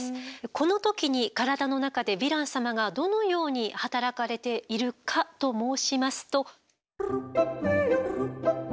この時に体の中でヴィラン様がどのように働かれているかと申しますと。